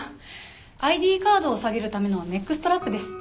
ＩＤカードを下げるためのネックストラップです。